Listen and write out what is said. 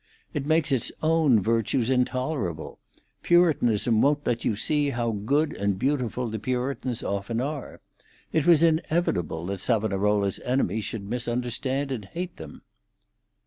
It makes its own virtues intolerable; puritanism won't let you see how good and beautiful the Puritans often are. It was inevitable that Savonarola's enemies should misunderstand and hate him."